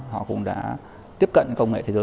họ cũng đã tiếp cận công nghệ thế giới